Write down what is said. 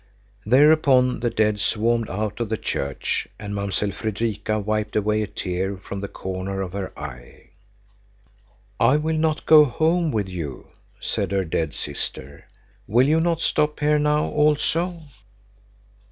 Thereupon the dead swarmed out of the church, and Mamsell Fredrika wiped away a tear from the corner of her eye. "I will not go home with you," said her dead sister. "Will you not stop here now also?"